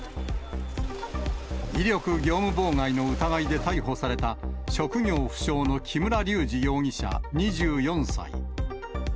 威力業務妨害の疑いで逮捕された、職業不詳の木村隆二容疑者２４歳。